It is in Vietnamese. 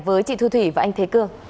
với chị thư thủy và anh thế cương